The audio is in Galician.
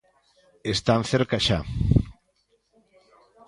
Están cerca xa.